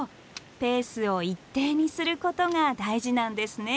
ペースを一定にすることが大事なんですね。